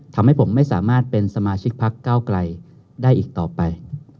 ทำให้ผมไม่สามารถเป็นสมาชิกพักเก้าไกลได้อีกต่อไป